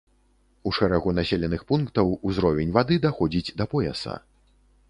У шэрагу населеных пунктаў ўзровень вады даходзіць да пояса.